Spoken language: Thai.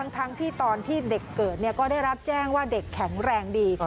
ทั้งที่ตอนที่เด็กเกิดก็ได้รับแจ้งว่าเด็กแข็งแรงดี